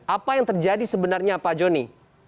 apa yang terjadi sebenarnya pak joni